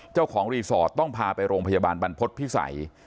เจ้าของรีสอร์ทต้องพาไปโรงพยาบาลบรรพฤษภิษัย